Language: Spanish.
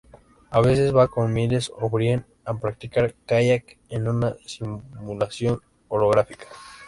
A veces, va con Miles O'Brien a practicar Kayak en una simulación holográfica.